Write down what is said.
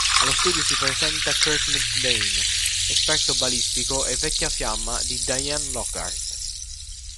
Allo studio si presenta Kurt McVeigh, esperto balistico e vecchia fiamma di Diane Lockhart.